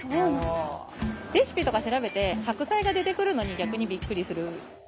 レシピとか調べて白菜が出てくるのに逆にびっくりする。